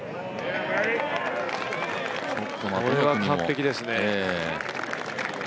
これは完璧ですね。